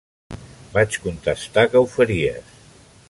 Vaig contestar que ho faries.